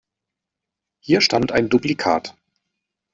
Hier stand ein Duplikat.